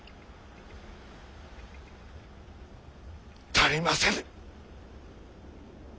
足りませぬ。